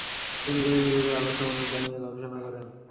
তিনি জৈব যৌগের আলোক সমাণুতা নিয়ে গবেষণা করেন।